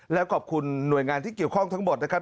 และขอบคุณหน่วยงานที่เกี่ยวข้องทั้งหมดนะครับ